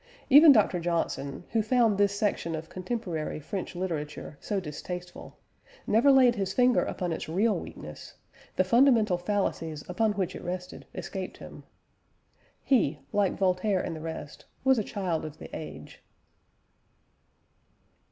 Even Dr. Johnson, who found this section of contemporary French literature so distasteful, never laid his finger upon its real weakness; the fundamental fallacies upon which it rested escaped him. He, like Voltaire and the rest, was a child of the age.